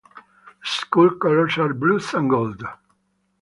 The school colors are blue and gold.